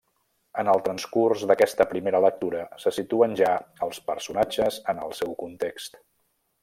En el transcurs d'aquesta primera lectura se situen ja els personatges en el seu context.